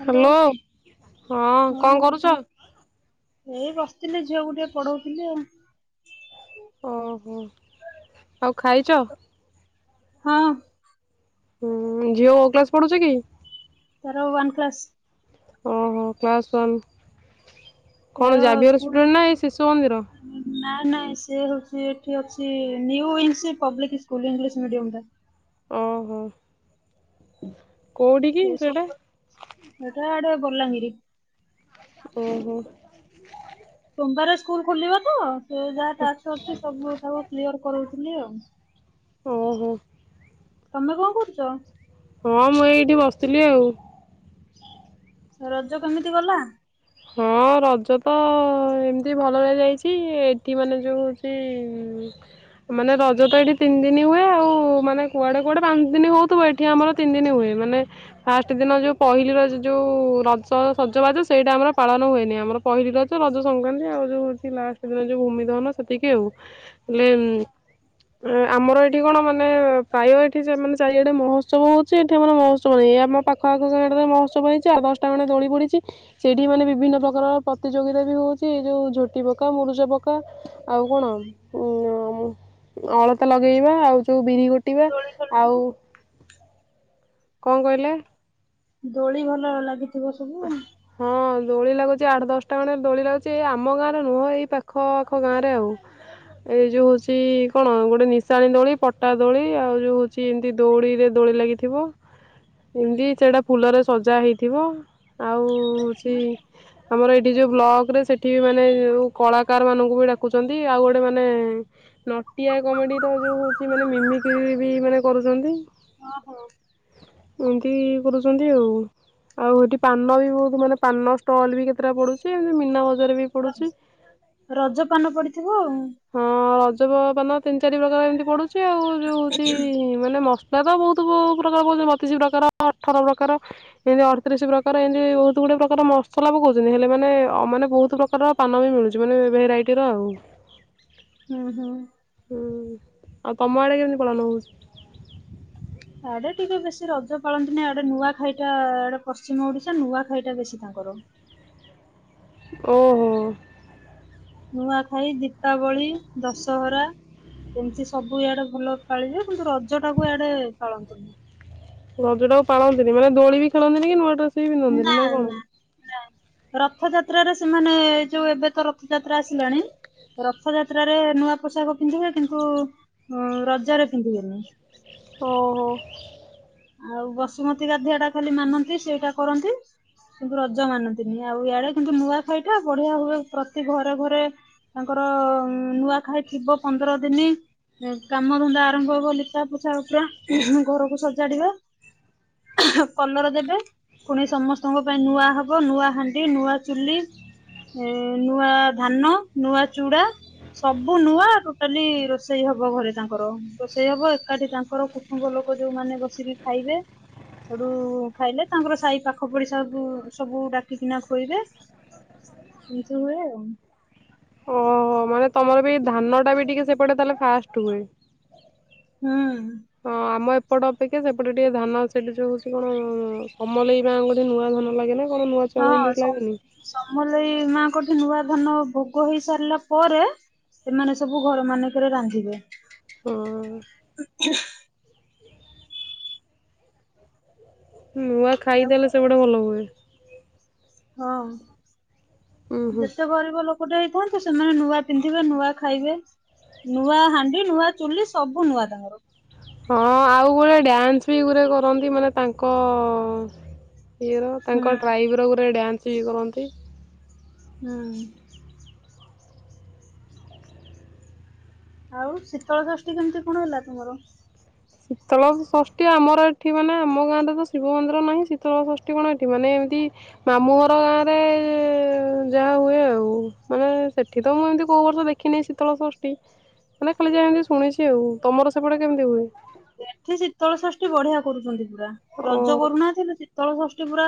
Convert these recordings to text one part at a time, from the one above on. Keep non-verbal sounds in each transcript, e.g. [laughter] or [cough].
Hello hello ହଁ କଣ କରୁଚ? ଏଇ ବସିଥିଲି ଝିଅକୁ ଟିକେ ପଢୋଉ ଥିଲି ଆଉ। ଓହୋ ଆଉ ଖାଇଚ? ହଁ। ହୁଁ ଝିଅ କୋଉ କ୍ଲାସ ପଡୁଚି କି? ତାର ୱାନ କ୍ଲାସ। ଓହୋ କ୍ଲାସ ୱାନ। ତାର କଣ ଜାଭିଅର ଷ୍ଟୁଡେଣ୍ଟ ନା ଏଇ ଶିଶୁ ମନ୍ଦିର? ନା ନାଇଁ ସେ ହୋଉଚି ଏଠି ଅଛି ନିଉ ଇଂନସି ପବ୍ଲିକ ସ୍କୁଲ ଇଙ୍ଗିଲିସ୍ ମିଡିୟମଟା। ଓ ହୋ। କୋଉଠି କି ଏଇ ସୋ ସେଟା? ଏଟା ଆଡେ ବଲାଙ୍ଗିରି। ଓହୋ। ସୋମବାରେ ସ୍କୁଲ ଖୋଲିବତ। ସେ ଯାହା ଟାକ୍ସ ଅଛି ସବୁ ତାକୁ କ୍ଲିୟର କରୋଉଥିଲି ଆଉ। ଓହୋ। ତମେ କଣ କରୁଚ? ହଁ ମୁଁ ଏଇଠି ବସିଥିଲି ଆଉ। ରଜ କେମିତି ଗଲା? ହଁ ରଜ ତ ଏମିତି ଭଲରେ ଯାଇଚି ଏଠି ମାନେ ଯୋଉ ହୋଉଚି ହୁଁ। ମାନେ ରଜ ତ ଏଠି ତିନି ଦିନ ହୁଏ ଆଉ ମାନେ କୁଆଡେ କୁଆଡେ ପାଞ୍ଚ ଦିନ ହୋଉଥିବ ଏଠି ଆମର ତିନି ଦିନ ହୁଏ। ମାନେ ଫାଷ୍ଟ ଦିନ ଯୋଉ ପହିଲି ର ଯୋଉ ରଜ ସଜବାଜ ସେଇଟା ଆମର ପାଳନ ହୁଏନି ଆମର ପହିଲି ରଜ, ରଜ ସଂକ୍ରାନ୍ତି ଆଉ ଯୋଉ ହୋଉଚି ଲାଷ୍ଟ ଦିନ ଯୋଉ ଭୂମି ଦହନ ସେତିକି ଆଉ। [unintelligible] ବୋଲେ ଉଁ ଆମର ଏଠି କଣ ମାନେ ପ୍ରାୟ ଏଠି ସେମାନେ ଚାରିଆଡେ ମହୋତ୍ସବ ହୋଉଚି ଏଠି ମାନେ ମହୋତ୍ସବ ନାଁଇ। ଏଇ ଆମ ପାଖ ଆଖ ଗାଁ ଟାରେ ମହୋତ୍ସବ ହେଇଚି ଆଠ ଦଶଟା ଖଣ୍ଡେ ଦୋଳି ପଡିଚି ସେଇ ଠି ମାନେ ବିଭିନ୍ନ ପ୍ରକାର ପ୍ରତିଯୋଗିତା ବି ହୋଉଚି ଏଇ ଯୋଉ ଝୋଟି ପକା ମରୁଜ ପକା ଆଉ କଣ ଉଁ ଅଳତା ଲଗେଇବା ଆଉ ଯୋଉ ବିରି ଘୋଟିବା ଦୋଳି ଖେଳୁଥିବ ଆଉ କଣ କହିଲେ? ଦୋଳି ଭଲ ଲାଗିଥିବ ସବୁ। ଲାଗୁଚି ଆଠ ଦଶଟା ବେଳେ ଦୋଳି ଲାଗୁଚି ଏଇ ଆମ ଗାଁରେ ନୁହଁ ଏଇ ପାଖ ପାଖ ଗାଁରେ ଆଉ। ଏଇ ଯୋଉ ହୋଉଚି କଣ ଗୋଟେ ନିଶାଣି ଦୋଳି ପଟା ଦୋଳି ଆଉ ଯୋଉ ହୋଉଚି ଏମିତି ଦୋଡିରେ ଦୋଳି ଲାଗିଥିବ ଏମିତି ସେଟା ଫୁଲରେ ସଜା ହେଇଥିବ। ଆଉ ହୋଉଚି ଆମର ଏଇଠି ଯୋଉ ବ୍ଲକରେ ସେଠି ମାନେ ଯୋଉ କଳାକାର ମାନଙ୍କୁ ଡାକୁଚନ୍ତି ଆଉ ଗୋଟେ ମାନେ ନଟିଆ କମେଡିର ଏଇ ଯୋଉ ହୋଉଚି ମାନେ ମିମିକ୍ରି ବି ମାନେ କରୁଚନ୍ତି। ଓ ହୋଉ। ଏମିତି ଇଏ କରୁଚନ୍ତି ଆଉ, ଆଉ ଏଠି ପାନ ବି ବୋହୁତ ମାନେ ପାନ ଷ୍ଟଲ୍ ବି କେତେଟା ପଡୁଚି ଏମତି ମୀନା ବଜାର ବି ପଡ଼ୁଛି ରଜ ପାନ ପଡିଥିବ ଆଉ। ହଁ ରଜବ ପାନ ତିନି ଚାରି ପ୍ରକାର ଏମିତି ପଡୁଚି ଆଉ ଏଇ ଯୋଉ ହୋଉଚି ମାନେ ମ [unintelligible] ବୋହୁତ ପ୍ରକାର କହୁଚନ୍ତି ବତିଶ ପ୍ରକାର ଅଠର ପ୍ରକାର ଏମିତି ଅଠତିରିଶ ପ୍ରକାର ଏମିତି ବୋହୁତ ଗୁଡେ ପ୍ରକାର ମସଲା ପକୋଉଚନ୍ତି ହେଲେ ମାନେ ମାନେ ବୋହୁତ ପ୍ରକାରର ପାନ ବି ମିଳୁଚି ମାନେ ଭେରାଇଟିର ଆଉ। ହୁଁ ହୁଁ। ହୁଁ ଆଉ ତମ ଆଡେ କେମିତି ପାଳନ ହୋଉଚି? ଆଡେ ଟିକେ ବେଶୀ ରଜ ପାଳନ୍ତି ନାଇଁ ଆଡେ ନୂଆ ଖାଇଟା ଆଡେ ପଶ୍ଚିମ ଓଡିଶା ନୂଆ ଖାଇଟା ବେଶୀ ପାଳ ଗରମ୍ ଚିଉଁଚିଉଁ ଓହୋ। ନୂଆଖାଇ ଦୀପାବଳି ଦଶହରା ଏମିତି ସବୁ ଇଆଡେ ଭଲ ପାଳିବେ କିନ୍ତୁ ରଜ ଟାକୁ ଇଆଡେ ପାଳନ୍ତିନି। ରଜ ଟାକୁ ପାଳନ୍ତିନି ମାନେ ଦୋଳି ବି ଖେଳନ୍ତିନି କି ନୂଆ ଡ୍ରେସ୍ ବି ପିନ୍ଧନ୍ତିନି ନା କଣ? ନା ରଥଯାତ୍ରାରେ ସେମାନେ ଯୋଉ ଏବେ ତ ରଥଯାତ୍ରା ଆସିଲାଣି ରଥଯାତ୍ରାରେ ନୂଆ ପୋଷାକ ପିନ୍ଧିବେ କିନ୍ତୁ ଉଁ ରଜରେ ପିନ୍ଧିବେନି। ଓ ହୋ। ଆଉ ବସୁମତୀ ଗାଧୋଇବା ଟା ଖାଲି ମାନନ୍ତି ସେଇଟା କରନ୍ତି। କିନ୍ତୁ ରଜ ମାନନ୍ତିନି ଆଉ ଇଆଡେ କିନ୍ତୁ ନୂଆଖାଇଟା ବଢିଆ ହୁଏ ପ୍ରତି ଘରେ ଘରେ ତାଙ୍କର ର ନୂଆଖାଇ ଥିବ ପନ୍ଦର ଦିନି କାମ ଧନ୍ଦା ଆରମ୍ଭ ହବ ଲିପା ପୋଛା ପୁରା ଘରକୁ ସଜାଡିବା କଲର ଦେବେ ପୁଣି ସମସ୍ତଙ୍କ ପାଇଁ ନୂଆ ହବ ନୂଆ ହାଣ୍ଡି ନୂଆ ଚୁଲି ଏଏ ନୂଆ ଧାନ ନୂଆ ଚୁଡା ସବୁ ନୂଆ ଟୋଟାଲି ରୋଷେଇ ହବ ଘରେ ତାଙ୍କର ରୋଷେଇ ହବ ଏକାଠି ତାଙ୍କର କୁଟୁମ୍ବ ଲ ଲୋକ ଯୋଉମାନେ ବସିକି ଖାଇବେ। ଆଡୁ ଉ ଖାଇଲେ ତାଙ୍କର ସାହି ପାଖ ପଡିସା ଘରକୁ ସବୁ ଡାକିକିନା ଖୁଏଇବେ। ଏଇ ତ ହୁଏ ଆଉ। ଓହୋ ମାନେ ତମର ବି ଧାନ ଟା ବି ଟିକେ ସେପଟେ ତାହେଲେ ଫାଷ୍ଟ ହୁଏ। ହୁଁ ହଁ ଆମ ଏପ ଏପଟ ଅପେକ୍ଷା ସେପଟେ ଟିକେ ଧାନ ସେଠି ଯଉ ହଉଛି କଣ ଅଁଅଁ ସମଲେଇ ମା ଗୋଟେ ନୂଆ ଧାନ ଲାଗେନା ହଁ ସମ ସମଲେଇ ମାଙ୍କଠି ନୂଆ ଧାନ ଭୋଗ ହୋଇ ସାରିଲା ପରେ ସେମାନେ ସବୁ ଘର ମାନଙ୍କରେ ରାନ୍ଧିବେ। ଟି ଟି ହଁ ଟି ହୁଁ ହୁଁ ନୂଆ ଆଉ ଖାଇଦେଲେ ସେ ଗଟେ ଭଲ ହୁଏ। ହଁ ଉୁଁ ହୁଁ ଯେତେ ଗରିବ ଲୋକ କଟେ ହେଇଥାନ୍ତୁ ସେମାନେ ନୂଆ ପିନ୍ଧିବେ ନୂଆ ଖାଇବେ। ନୂଆ ହାଣ୍ଡି ନୂଆ ଚୁଲି ସବୁ ନୂଆ ତାଙ୍କର। ହଁ ଆଉ ଗୋଟେ ଡ୍ୟାନ୍ସ ବି ଗୁରେ କରନ୍ତି ମାନେ ତାଙ୍କ ଅଅ ହିରୋ ତାଙ୍କ ହୁଁ। ଟ୍ରାଇବ୍ର ଗୋରେ ଡ୍ୟାନ୍ସ ବି କରନ୍ତି। ହୁଁ। ଆଉ ଶୀତଳ ଷଷ୍ଠୀ କେମିତି କଣ ହେଲା ତୁମର? ଶୀତଳ ଷଷ୍ଠୀ ଆମର ଏଠି ମାନେ ଆମ ଗାଁରେ ତ ଶିବ ମନ୍ଦିର ନାହିଁ ଶୀତଳ ଷଷ୍ଠୀ କଣ ଏଠି ମାନେ ଏମିତି ମାମୁଁ ଘର ଗାଁ ରେ ଏଏ ଯାହା ହୁଏ ଆଉ। ମାନେ ସେଠି ତ ମୁଁ ଏମତି କହୁ ବର୍ଷ ଦେଖିନି ଶୀତଳ ଷଷ୍ଠୀ ମାନେ ଖାଲି ଯାହା ଏମିତି ଶୁଣିଛି ଆଉ। ତମର ସେପଟେ କେମିତି ହୁଏ? ଏଠି ଶୀତଳଷଷ୍ଠୀ ବଢିଆ କରୁଛନ୍ତି ପୁରା ଓ ରଜ କରୁନାହାନ୍ତି ହେଲେ ସି ଶିତଳ ଷଷ୍ଠୀ ପୁରା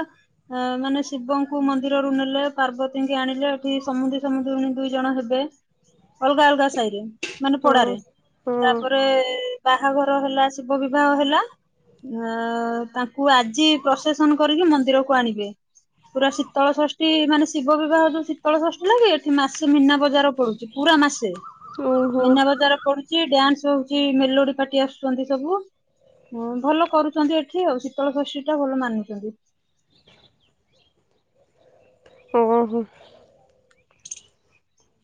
ଅଁ ମାନେ ଶିବଙ୍କୁ ମନ୍ଦିରରୁ ନେଲେ ପାର୍ବତୀଙ୍କୀ ଆଣିଲେ ଏଠି ସମୁଦି ତମ ଦୁ ଦୁଇ ଜଣ ହେବେ ଅଲଗା ଅଲଗା ସାହି ରେ ମାନେ ହଁ ପଡାରେ ହଁ ତାପରେ ବାହାଘର ହେଲା ଶିବ ବିବାହ ହେଲା ଅ ତାଙ୍କୁ ଆଜି ପ୍ରସେସନ କରିକି ମନ୍ଦିରକୁ ଆଣିବେ। ପୁରା ଶୀତଳ ଷଷ୍ଠୀ ମାନେ ଶିବ ବିବାହ ଯୋଉ ଶୀତଳ ଷଷ୍ଠୀ ଲାଗେ ଏଠି ମାସେ ମୀନା ବଜ଼ାର ପୁଛି ପୁରା ମାସେ ଓହୋ ମୀନା ବଜାର ପୁଡୁଛି ଡ୍ୟାନ୍ସ ହଉଛି ମେଲୋଡି ପାର୍ଟି ଆସୁଛନ୍ତି। ସବୁ ଭଲ କରୁଛନ୍ତି ଏଠି ଆଉ ଶୀତଳ ଷଷ୍ଠୀ ଟା ଭଲ ମାନୁଛନ୍ତି। ଓ ହୋ।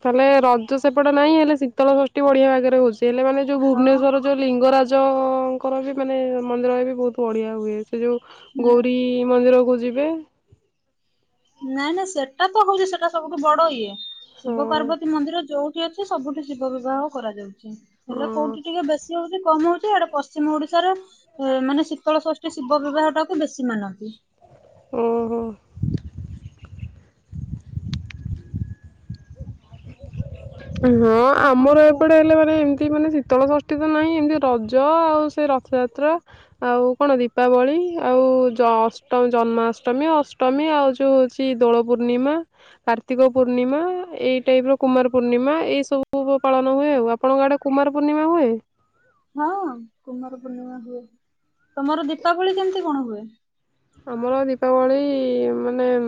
ତାହାଲେ ରଜ ସେପଟେ ନାହିଁ। ହେଲେ ଶୀତଳ ଷଷ୍ଠୀ ବଢିଆ ବାଗରେ ହଉଛି। ସେ ହେଲେ ମାନେ ଯୋଉ ହଁ ଭୁବନେଶ୍ୱଵର ଯୋଉ ଲିଙ୍ଗରାଜଙ୍କର ବି ମାନେ ମନ୍ଦିର ବି ବହୁତ ବଢିଆ ହୁଏ। ସେ ଯୋଉ ହୁଁ ଗୌରୀ ମନ୍ଦିରକୁ ଯିବେ। ନାଇଁ ନାଇଁ ସେଟା ତ ହଉଛି ସେଟା ସବୁଠୁ ବଡ ଇଏ। ଶିବ ହଁ ପାର୍ବତୀ ମନ୍ଦିର ଯୋଉ ଠି ଅଛି। ସବୁଠି ଶିବ ବିବାହ କରାଯାଉଛି। ହେଲେ ହଁ କୋଉଠି ଟିକେ ବେଶ୍ ହଉଛି କମ୍ ହଉଛି ଆଡେ, ପଶ୍ଚିମ ଓଡ଼ିଶାରେ ମାନେ, ଶୀତଳ ଷଷ୍ଠୀ ଶିବ ବିବାହ ଟାକୁ ବେଶୀ ମାନନ୍ତି। ଓହୋ। ହଁ, ଆଉ କଣ ଆମର କୁହ? ଏପଟେ ହେଲେ ମାନେ ଏମିତି ମାନେ ଶୀ ଶୀତଳ ଷଷ୍ଠୀ ତ ନାହିଁ, ଏମିତି ରଜ ଆଉ ସେ ରଥଯାତ୍ରା ଆଉ କଣ ଦୀପାବଳି ଆଉ ଉ ଜଅଷ୍ଟ ଜନ୍ମାଷ୍ଟମୀ, ଅଷ୍ଟମୀ ଆଉ ଯୋଉ ହଉଛି, ଦୋଳ ପୂର୍ଣ୍ଣିମା, କାର୍ତିକ ପୂର୍ଣ୍ଣିମା ଏଇ ଟାଇପ୍ ର କୁମାର ପୂର୍ଣ୍ଣିମା। ଏଇ ସବୁ ପାଳନ ହୁଏ ଆଉ। ଆପଣଙ୍କ ଆଡ଼େ କୁମାର ପୂର୍ଣ୍ଣିମା ହୁଏ? ହଁ କୁମାର ପୂର୍ଣ୍ଣିମା ତମର ଦୀପାବଳି କେମିତି କଣ ହୁଏ? ଆମର ଦୀପାବଳି ମାନେ-ଏ-ଏମ୍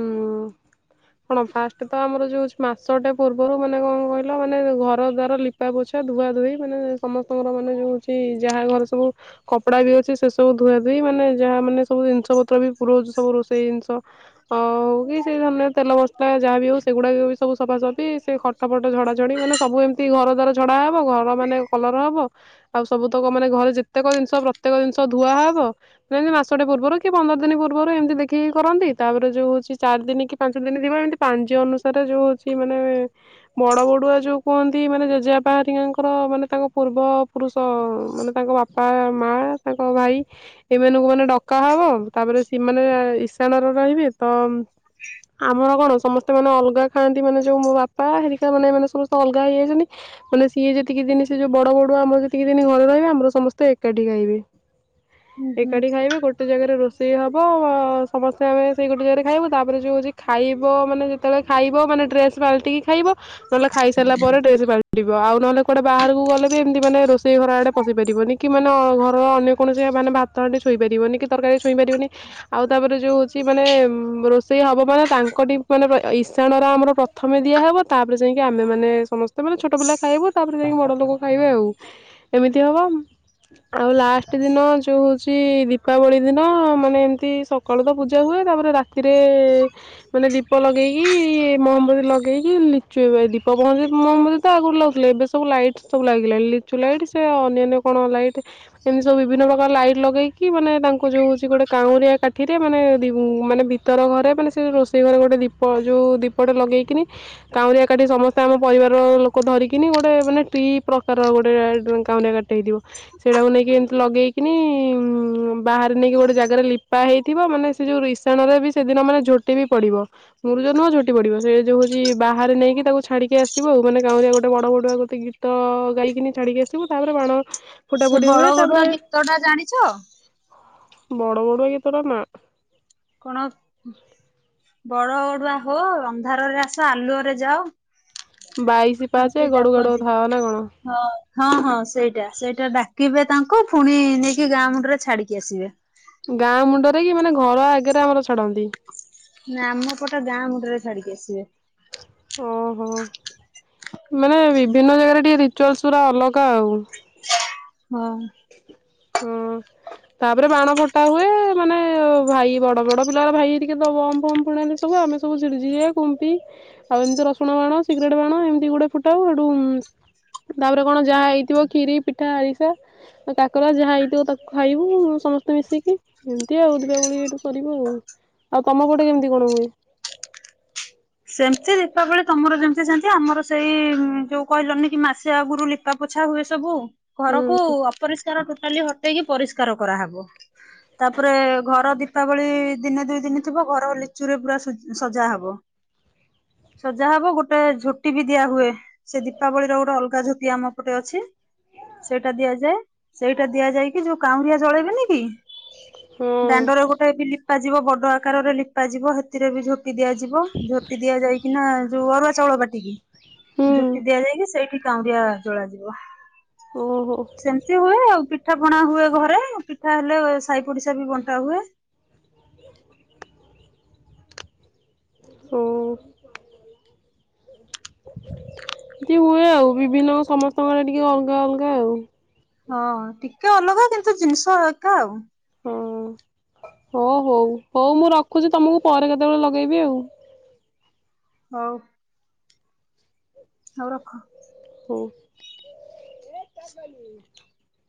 କଣ, ଫାଷ୍ଟ ତ ଆମର ଯୋଉ ମାସଟେ ପୂର୍ବରୁ ମାନେ କଣ କହିଲ, ମାନେ ଘର ଦ୍ୱାର ଲିପାପୋଛା ଧୁଆ ଧୁଇ ମାନେ ସମସ୍ତଙ୍କର ମାନେ ଯଉ ହଉଛି, ଯାହା ଘରେ ସବୁ କପଡା ବି ଅଛି, ସେ ସବୁ ଧୁଆ ଧୁଇ ମାନେ ଯାହାମାନେ ସବୁ ଜିନିଷ ପ ପ ବି ପୁରଉଛୁ ସବୁ ରୋଷେଇ ଜିନିଷ, ଅହଉ କି ସେ ଅନ୍ୟ ତେଲ ମସଲା ଯାହା ବି ହଉ ସେଗୁଡା ବି ସବୁ ସଫାସଫି ସେ ଖଟଫଟ, ଝଡାଝଡି ମାନେ ସବୁ ଏମିତି ଘର ଦ୍ୱାର ଝଡା ହବ। ଘର ମାନେ କଲର ହବ। ଆଉ ସବୁତକ ମାନେ ଘରେ ଯେତେକ ଜିନିଷ, ପ୍ରତ୍ୟେକ ଜିନିଷ ଧୁଆ ହବ। ମାନେ ମାସଟେ ପୂର୍ବରୁ ପନ୍ଦର ଦିନ ପୂର୍ବରୁ ଏମିତି ଦେଖିକି କରନ୍ତି। ତାପରେ ଯୋଉ ହଉଛି ଚାରି ଦିନ କି ପାଞ୍ଚ ଦିନ ଥିବ, ଏମିତି ପାଞ୍ଜି ଅନୁସାରେ ଯୋଉ ହଉଛି, ମାନେ ବଡ ବଡୁଆ ଯୋଉ କୁହନ୍ତି, ମାନେ ଜେଜେଆପା ହାରିକାଙ୍କର ମାନେ ତାଙ୍କ ପୂର୍ବ ପୁରୁଷ ମାନେ ତାଙ୍କ ବାପା, ମା, ତାଙ୍କ ଭାଇ, ଏମାନଙ୍କୁ ମାନେ ଡକା ହବ। ତାପରେ ସିମାନେ ଇଶାଣ ର ରହିବେ। ତ ଆମର କଣ ସମସ୍ତେ ମାନେ ଅଲଗା ଖାଆନ୍ତି। ମାନେ ଯୋଉ ମୋ ବାପା ହେରିକା ମାନେ ମାନେ ସମସ୍ତେ ଅଲଗା ହେଇଯାଇଛନ୍ତି। ମାନେ ସିଏ ଯେତିକି ଦିନ ସେ ଯୋଉ ବଡବଡୁଆ ଆମର ଯେତିକି ଦିନ ଘରେ ରହିବେ। ଆମର ସମସ୍ତେ ଏକାଠିଖାଇବେ। ହୁଁ ହୁଁ ଏକାଠି ଖାଇବେ, ଗୋଟେ ଜାଗାରେ ରୋଷେଇ ହବ। ସମସ୍ତେ ଆମେ ସେଇ ଗୋଟେ ଜାଗାରେ ଖାଇବୁ, ତାପରେ ଯଉ ହଉଛି, ଖାଇବ ମାନେ, ଯେତେବେଳେ ଖାଇବ ମାନେ ଡ୍ରେସ୍ ପାଲିଟିକି ଖାଇବ, ନହେଲେ ଖାଇ ସାରିଲା ପରେ ଡ୍ରେସ୍ ପାଲଟିବ। ଆଉ ନହେଲେ କୁଆଡେ ବାହାରକୁ ଗଲେ ବି ଏମିତି ମାନେ ରୋଷେଇ ଘର ଆଡେ ପଶି ପାରିବନି କି ମାନେ ଘର ଅନ୍ୟ କୌଣସି ମାନେ ବା ଭାତ ହାଣ୍ଡି ଛୁଇଁ ପାରିବନି କି, ତରକାରୀ ଛୁଇଁ ପାରିବନି। ଆଉ ତାପରେ ଯୋଉ ହଉଛି ମାନେ ଏ ରୋଷେଇ ହବ, ମାନେ ତାଙ୍କଠି ମାନେ ଇଶାଣର ତ ଆମର ପ୍ରଥମେ ଦିଆ ହେବ। ତାପରେ ଯାଇକି ଆମେମାନେ ସମସ୍ତେ ମାନେ ଛୋଟ ପିଲା ଖାଇବୁ ତାପରେ ଯାଇକି, ବଡ଼ ଲୋକ ଖାଇବେ ଆଉ। ଏମିତି ହବ। ଆଉ ଲାଷ୍ଟ ଦିନ ଯୋଉ ହଉଛି, ଦୀପାବଳି ଦିନ ମାନେ, ଏମିତି ସକାଳୁ ତ ପୂଜା ହୁଏ। ତାପରେ ରାତିରେ ମାନେ ଦୀପ ଲଗେଇକି ଇ ମହବଦୀ ଲଗେଇକି, ଲିଚୁ ଏବେ ଦୀପ ବନ୍ଦ। ମହମ୍ବଦୀ ତ ଆଗରୁ ଲାଗୁଥିଲା, ଏବେ ସବୁ ଲାଇଟ୍ ସବୁ ଲାଗି ଲିଚୁ ଲାଇଟ୍, ସେ ଅନ୍ୟାନ୍ୟ କଣ ଲାଇଟ୍! ଏମତି ସବୁ ବିଭିନ୍ନ ପ୍ରକାର ଲାଇଟ ଲଗେଇକି, ମାନେ ତାଙ୍କ ଯୋଉ ହଉଛି, ଗୋଟେ କାଉଁରିଆ କାଠିରେ ମାନେ-ଏ, ମାନେ ଭିତର ଘରେ ମାନେ ସେ ରୋଷେଇ ଘରେ ଗୋଟେ ଦୀପ ଯୋଉ କୁ ଦୀପଟେ ଲଗେଇକିନି, କାଉଁରିଆ କାଠି ସମସ୍ତେ ଆମ ପରିବାର ଲୋକ ଧରିକିନି। ଗୋଟେ ମାନେ ଟି ପ୍ର ତାର ଗୋଟେ ଏ କାଉଁରିଆ କାଟଟେ ହେଇଥିବ। ସେଇଟାକୁ ନେଇକି ଏମିତି ଲଗେଇକିନି-ଇ-ଇ-ଉ-ଉଁ ବାହାରେ ନେଇକି ଗୋଟେ ଜାଗାରେ ଲିପା ହେଇଥିବ। ମାନେ ସେ ଯୋଉ, ଇସାଣରେ ବି ସେଦିନ ମାନେ ଝୋଟି ବି ପଡିବ। ମୁରୁ ସେନ ଝୋଟି ପଡିବ। ସେ ଯଉ ହଉଚି ବାହାରେ ନେଇକି ତାକୁ ଛାଡିକି ଆସିବ ଆଉ। ମାନେ କାଉଁରିଆ ଗୋଟେ ବଡବଡୁଆ ଗୋଟେ ଗୀତ ହଁ, ଗାଇକିନି ଛାଡିକି ଆସିବୁ। ତାପରେ ବାଣ ଫୁଟା ସେ ଫୁଟି ହୁଏ ବଡ ବଡୁଆ ଗୀତ ଟା ଜାଣିଛ? ବଡବଡୁଆ ଗୀତଟା ନା। କଣ? ବଡ ବଡୁଆ ହୋ! ଅନ୍ଧାରରେ ଆସ, ଆଲୁଅରେ ଯାଅ। ବାଇଶି ପାହାଚେ ଯେମିତି ଗଡୁଗଡଉ ଡାକନ୍ତି। ଥାଆ ନା କଣ! ହଁ ହଁ, ହଁ, ସେଇଟା ସେଇଟା ଡାକିବେ ତାଙ୍କୁ, ପୁଣି ନେଇକି ଗାଁ ମୁଣ୍ଡରେ ଛାଡିକି ଆସିବେ। ଗାଁ, ମୁଣ୍ଡରେ କି, ମାନେ ଘର ଆଗରେ ଆମର ଛାଡନ୍ତି। ନା, ଆମ ପଟେ ଗାଁ ମୁଣ୍ଡରେ ଛାଡିକି ଆସିବେ। ଓହୋ! ମାନେ ବିଭିନ୍ନ ଜାଗାରେ ଟିକେ ରିଚୁଆଲସ୍ ପୁରା ଅଲଗା ଆଉ। ହଁ। ହଁ। ତାପରେ ବାଣ ଫଟା ହୁଏ ମାନେ ଭାଇ ବଡ ବଡ ପିଲା ଭାଇ ହେରିକା ସବୁ ବମ ଫମ ଫୁଟାନ୍ତି ସବୁ। ଆମେ ସବୁ ସେଟି ଯିଏ କୁମ୍ପି ଆଉ ଏମିତି ରସୁଣ ବାଣ, ସିଗରେଟ ବାଣ, ଏମିତି ଗୋଟେ ଫୁଟାଉ ହେଟୁ ଉଁ ତାପରେ କଣ ଯାହା ହେଇଥିବ ଖୀରି ପିଠା ଆରିସା। ଆଉ କାକରା ଯାହା ହେଇଥିବ ତାକୁ ଖାଇବୁ ସମସ୍ତେ ମିଶିକି ଏମିତି ଆଉ ଦୀପାବଳି ଏଇଠୁ ସରିବ ଆଉ ଆଉ ତମ ପଟେ କେମିତି କଣ ହୁଏ? ସେମିତି ଦୀପାବଳି ତମର ଯେମିତି ସେମିତି ଆମର ସେଇ ଯୋଉ କହିଲନି କି ମାସେ ଆଗରୁ ଲିପା ପୋଛା ହୁଏ ସବୁ ହୁଁ ଘରକୁ ଅପରିଷ୍କାର ଟୋଟାଲି ହଟେଇକି ପରିଷ୍କାର କରାହବ। ତାପରେ ଘର ଦୀପାବଳି ଦିନେ ଦୁଇ ଦିନ ଥିବ ଘର ଲିଚୁ ରେ ପୁରା ସ ସଜା ହବ। ହ [inaudible] ସଜା ହବ ଗୋଟେ ଝୋଟି ବି ଦିଆ ହୁଏ ସେ ଦୀପାବଳି ର ଗୋଟେ ଅଲଗା ଝୋଟି ଆମ ପଟେ ଅଛି। ସେଇଟା ଦିଆଯାଏ ସେଇଟା ଦିଆଯାଇକି ଯୋଉ କାଉଁରିଆ ଜଳେଇବେନି କି? ହଁ ଦାଣ୍ଡରେ ଗୋଟେ ବି ଲିପା ଯିବ ବଡ ଆକାରରେ ଲିପାଯିବ ସେଥିରେ ବି ଝୋଟିି ଦିଆଯିବ। ଝୋଟି ଦିଆଯାଇକି ନା ଯୋଉ ଅରୁଆ ଚାଉଳ ପାଟିିକି ହୁଁ ଝୋଟି ଦିଆଯାଇକି ସେଇଠି କାଉଁରିଆ ଜଳାଯିବ ଓହୋ। ସେମିତି ହୁଏ ଆଉ ପି ପିଠା ପଣା ହୁଏ ଘରେ ପିଠା ହେଲେ ସାଇ ପଡିଶା ବି ବଣ୍ଟା ହୁଏ। ହୋଉ ଏମିତି ହୁଏ ଆଉ ବିଭିନ୍ନ ସମସ୍ତଙ୍କର ଟିକେ ଅଲଗା ଅଲଗା ଆଉ ହଁ ଟିକେ ଅଲଗା କିନ୍ତୁ ଜିନିଷ ଏକା ଆଉ ହୁଁ ହୋଉ ହୋଉ ହଉ ମୁଁ ରଖୁଛି ତମକୁ ପରେ କେତେବେଳେ ଲଗେଇବି ଆଉ ହୋଉ। ହୋଉ ରଖ। ହୋଉ।